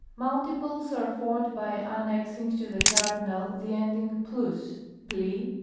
III. Multiples are formed by annexing to the cardinal the ending TvXovg (Eng.